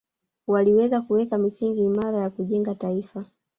Waliweza kuweka misingi imara ya kujenga taifa